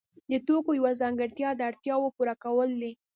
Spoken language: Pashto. د توکو یوه ځانګړتیا د اړتیاوو پوره کول دي.